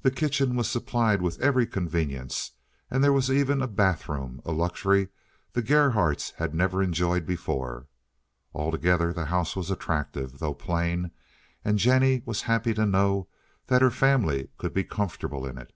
The kitchen was supplied with every convenience, and there was even a bath room, a luxury the Gerhardts had never enjoyed before. Altogether the house was attractive, though plain, and Jennie was happy to know that her family could be comfortable in it.